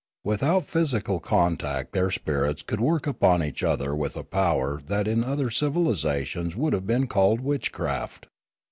Without physical contact their spirits could work upon each other with a power that in other civilisations would have been called witchcraft.